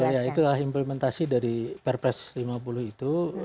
betul ya itulah implementasi dari purpose lima puluh itu